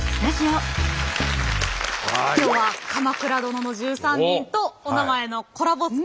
今日は「鎌倉殿の１３人」と「おなまえ」のコラボ